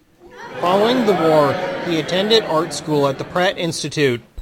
Following the war he attended art school at the Pratt Institute.